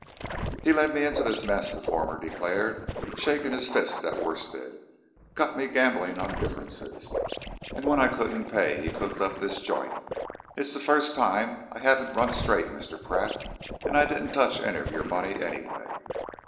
"He led me into this mess," the former declared, shaking his fist at Worstead. "Got me gambling on differences, and when I couldn't pay he cooked up this joint. It's the first time I haven't run straight, Mr. Pratt, and I didn't touch any of your money, anyway."